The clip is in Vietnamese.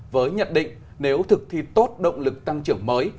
với nhận định nếu thực thi tốt động lực tăng trưởng mới